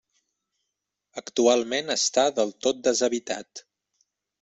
Actualment està del tot deshabitat.